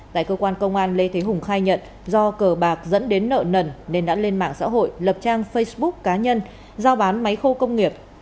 tại cơ quan công an lê thế hùng khai nhận do cờ bạc dẫn đến nợ nần nên đã lên mạng xã hội lập trang facebook cá nhân giao bán máy khô công nghiệp